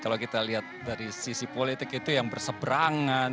kalau kita lihat dari sisi politik itu yang berseberangan